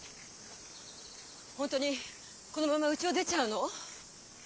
本当にこのままうちを出ちゃうの？